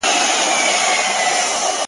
• هم مو ځان هم مو ټبر دی په وژلی -